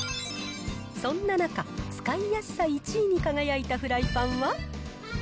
そんな中、使いやすさ１位に輝いたフライパンは？